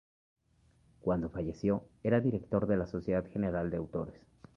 Cuando falleció era director de la Sociedad General de Autores.